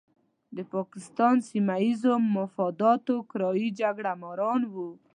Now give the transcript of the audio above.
د پاکستان سیمه ییزو مفاداتو کرایي جګړه ماران وو.